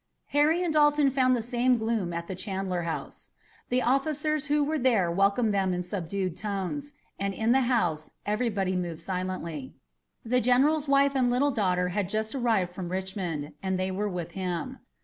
Harry and Dalton found the same gloom at the Chandler House. The officers who were there welcomed them in subdued tones, and in the house everybody moved silently. The general's wife and little daughter had just arrived from Richmond, and they were with him.